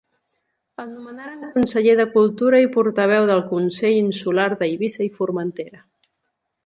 El nomenaren conseller de cultura i portaveu del Consell Insular d'Eivissa i Formentera.